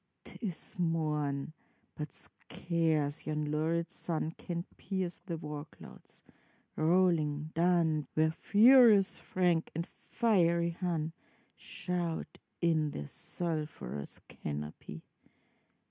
'T is morn, but scarce yon lurid sun Can pierce the war clouds, rolling dun, Where furious Frank and fiery Hun Shout in their sulphurous canopy.